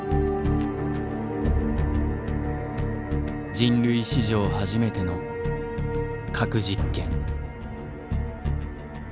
人類史上初めての核実験。